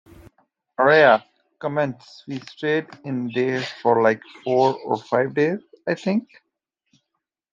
Araya comments, We stayed there for like four or five days, I think.